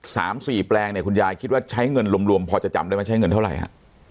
สามสี่แปลงเนี่ยคุณยายคิดว่าใช้เงินรวมรวมพอจะจำได้ไหมใช้เงินเท่าไหร่ฮะ